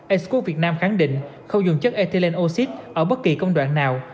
asicut việt nam khẳng định không dùng chất ethylene oxide ở bất kỳ công đoạn nào